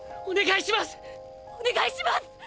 お願いします！！